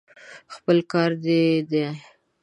خپل کار دې دی.